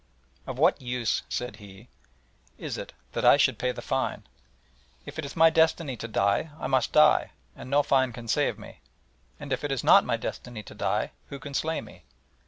"Of what use," said he, "is it that I should pay the fine? If it is my destiny to die I must die, and no fine can save me, and if it is not my destiny to die, who can slay me?"